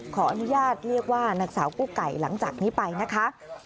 ขออนุญาตเรียกว่านางสาวกู้ไก่หลังจากนี้ไปนะคะ